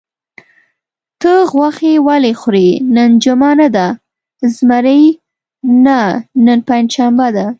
ته غوښې ولې خورې؟ نن جمعه نه ده؟ زمري: نه، نن پنجشنبه ده.